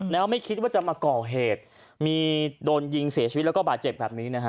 แล้วไม่คิดว่าจะมาก่อเหตุมีโดนยิงเสียชีวิตแล้วก็บาดเจ็บแบบนี้นะฮะ